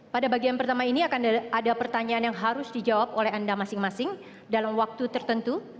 pada bagian pertama ini akan ada pertanyaan yang harus dijawab oleh anda masing masing dalam waktu tertentu